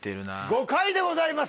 ５回でございます